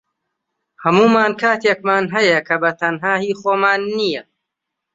هەموومان کاتێکمان هەیە کە بەتەنها هی خۆمان نییە